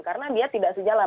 karena dia tidak sejalan